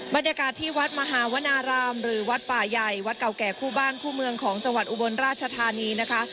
บรรยากาศที่วัดมหาวนารามหรือวัดป่าใหญ่วัดเก่าแก่คู่บ้านคู่เมืองของจังหวัดอุบลราชธานีนะคะ